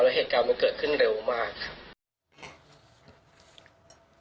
เหตุการณ์มันเกิดขึ้นเร็วมากครับ